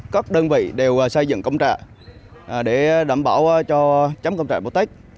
các đơn vị đều xây dựng công trạ để đảm bảo cho chấm công trạ bộ tết